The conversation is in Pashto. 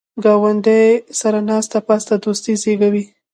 ګاونډي سره ناسته پاسته دوستي زیږوي